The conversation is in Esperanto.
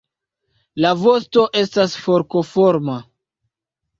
La vosto estas forkoforma.